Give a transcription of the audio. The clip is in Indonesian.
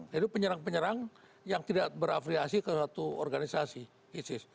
jadi penyerang penyerang yang tidak berafriasi ke satu organisasi isis